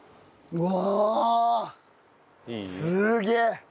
うわ。